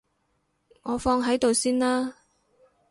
我放喺度先啦